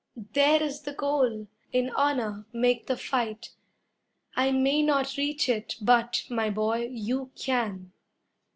There is the goal. In honor make the fight. I may not reach it but, my boy, you can.